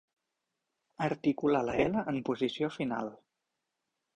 Articular la ela en posició final.